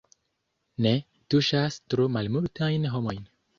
Ne, tuŝas tro malmultajn homojn.